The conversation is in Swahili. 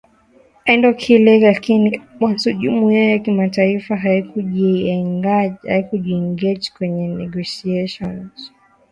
endo kile lakini mwanzo jumuiya ya kimataifa haikujiengage kwenye negotiations